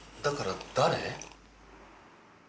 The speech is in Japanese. だから誰？